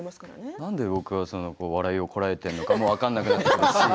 なんで僕は笑いをこらえてるのかも分からなくなってるし。